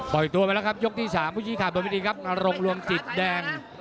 ปล่อยตัวไปแล้วครับยกที่๓ผู้ชิคค่าบริวิธีครับมาร่วมรวมจิตแดง